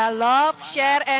masih dapat nasihat dari bapak ya